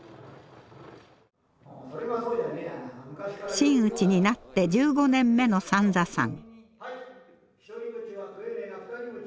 真打ちになって１５年目の三三さん。